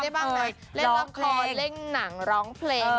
เล่นบังโคร้เร่งหนังร้องเพลง